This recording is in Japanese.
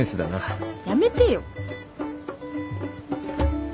やめてよ。